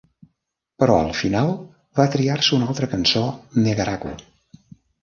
Però al final va triar-se una altra cançó "Negaraku".